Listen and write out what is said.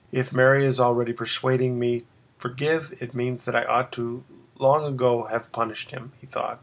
"If Mary is already persuading me to forgive, it means that I ought long ago to have punished him," he thought.